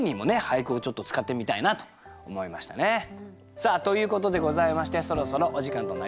さあということでございましてそろそろお時間となりました。